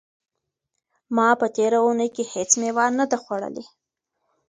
ما په تېره اونۍ کې هیڅ مېوه نه ده خوړلې.